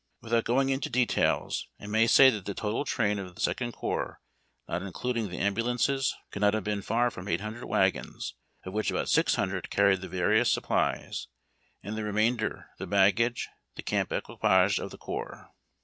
Without going into details, I may say that the total train of the Second Corps, not including the ambulances, could not have been far from 800 wagons, of which about 600 carried the various supplies, and the remainder the baggage — the camp equipage of the corps.